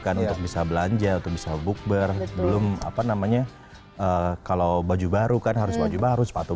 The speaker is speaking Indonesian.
kan untuk bisa belanja untuk bisa bukber belum apa namanya kalau baju baru kan harus baju baru sepatu